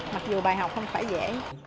mặc dù bài học không phải dễ